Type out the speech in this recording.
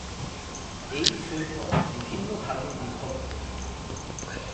এই সৈকত বিভিন্ন ভাগে বিভক্ত।